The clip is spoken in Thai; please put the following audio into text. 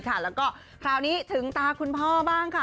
และคราวนี้ถึงรองมุ้งคุณพ่อบ้างค่ะ